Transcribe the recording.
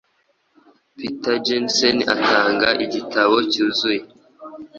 Peter Jensen atanga igitabo cyuzuye